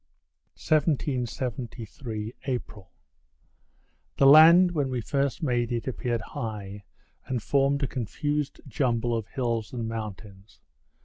1773 April The land, when we first made it, appeared high, and formed a confused jumble of hills and mountains.